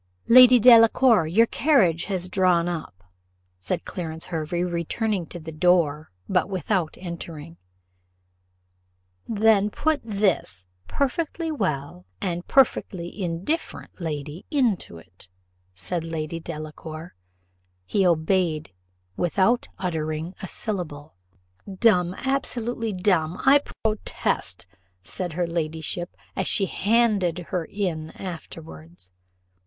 "Lady Delacour, your carriage has drawn up," said Clarence Hervey, returning to the door, but without entering. "Then put this 'perfectly well' and 'perfectly indifferent' lady into it," said Lady Delacour. He obeyed without uttering a syllable. "Dumb! absolutely dumb! I protest," said her ladyship, as he handed her in afterwards.